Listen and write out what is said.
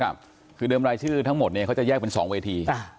ครับคือเดิมไรชื่อทั้งหมดเนี้ยเขาจะแยกเป็นสองเวทีอ่า